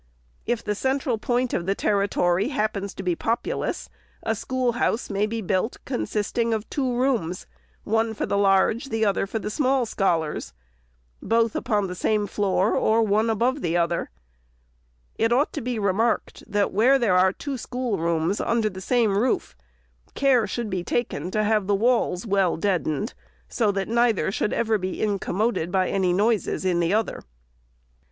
If the central point of the territory happen to be populous, a schoolhouse may be built, consisting of two rooms ; one for the large, the other for the small scholars ; both upon the same floor, or one above the other. It ought to be remarked, that where there are two schoolrooms under the same roof, care should be taken to have the walls well deafened, so that neither should ever be incommoded by any noises in the other.